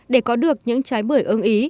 để có được những trái bưởi ưng ý